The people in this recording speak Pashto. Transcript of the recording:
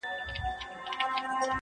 ته خبريې دلته ښخ ټول انسانان دي,